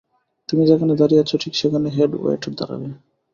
তুমি যেখানে দাঁড়িয়ে আছো, ঠিক সেখানে হেড ওয়েটার দাঁড়াবে।